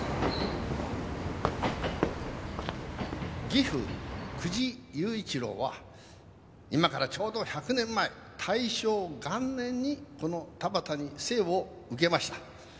「義父久慈雄一郎は今からちょうど１００年前大正元年にこの田端に生を受けました」